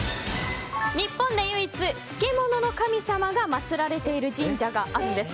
日本で唯一、漬物の神様が祭られている神社があるんです。